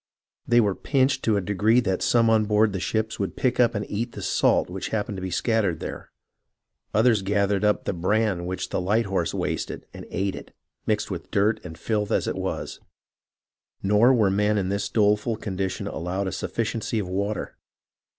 They were pinched to that degree that some on board the ships would pick up and eat the salt which happened to be scattered there ; others gathered up the bran which the light horse wasted, and ate it, mixed with dirt and filth as it was. ..." Nor were the men in this doleful condition allowed a sufficiency of water.